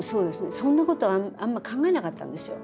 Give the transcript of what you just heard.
そんなことあんま考えなかったんですよ。